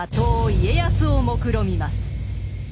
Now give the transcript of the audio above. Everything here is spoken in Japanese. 家康をもくろみます。